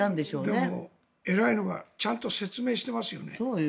でも、偉いのがちゃんと説明してますよね。